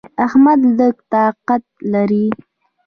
احمد لږ طاقت لري.